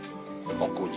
ここに？